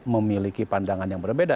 memiliki pandangan yang berbeda